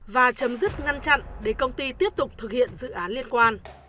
và chấm dứt ngăn chặn để công ty tiếp tục thực hiện dự án liên quan